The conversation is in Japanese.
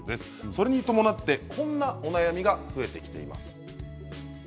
それに伴ってこんなお悩みが増えてきています。